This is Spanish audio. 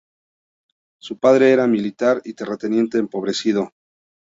Su padre era militar y terrateniente empobrecido.